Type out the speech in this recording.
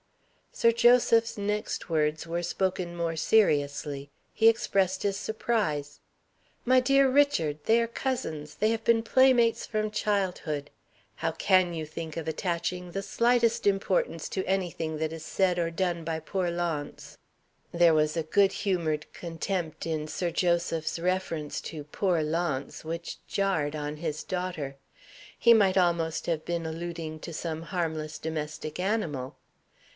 Sir Joseph's next words were spoken more seriously. He expressed his surprise. "My dear Richard, they are cousins, they have been playmates from childhood. How can you think of attaching the slightest importance to anything that is said or done by poor Launce?" There was a good humored contempt in Sir Joseph's reference to "poor Launce" which jarred on his daughter. He might almost have been alluding to some harmless domestic animal.